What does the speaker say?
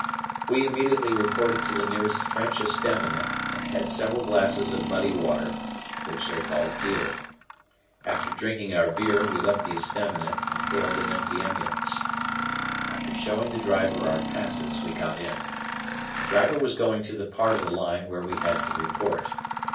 We immediately reported to the nearest French estaminet and had several glasses of muddy water, which they called beer. After drinking our beer we left the estaminet and hailed an empty ambulance. After showing the driver our passes we got in. The driver was going to the part of the line where we had to report.